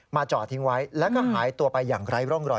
จอดทิ้งไว้แล้วก็หายตัวไปอย่างไร้ร่องรอย